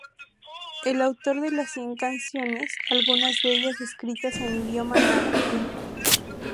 Es autor de más de cien canciones, algunas de ellas escritas en idioma náhuatl.